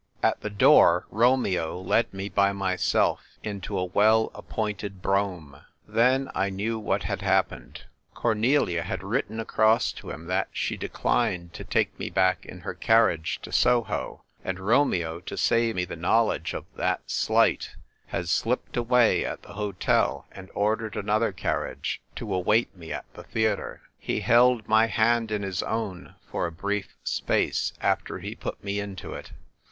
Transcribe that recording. At the door Romeo led me by myself into a well appointed brougham. Then I knew what had happened. Cornelia had written across to him that she declined to take me back in her carriage to Soho ; and Romeo, to save me the knowledge of that slight, had slipped away at the hotel, and ordered another carriage to await me at the theatre. He held my hand in his own for a brief space after he put me into it.